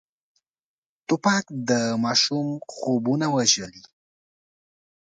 توپک د ماشوم خوبونه وژلي.